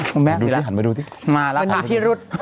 หันมาดูดิ